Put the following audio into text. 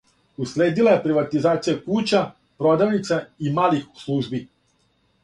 Уследила је приватизација кућа, продавница и малих служби.